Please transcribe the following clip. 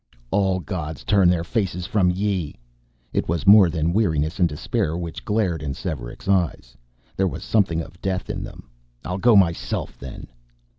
"All gods turn their faces from ye!" It was more than weariness and despair which glared in Svearek's eyes, there was something of death in them. "I'll go myself, then!"